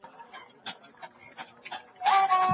هغه پخپله اوږه ډېري مڼې یوړې.